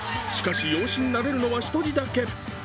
しかし養子になれるのは１人だけ。